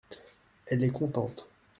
Elle est contente.